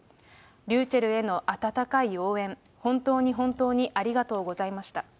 りゅうちぇるへの温かい応援、本当に本当にありがとうございました。